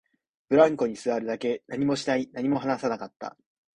ブランコに座るだけ、何もしない、何も話さなかった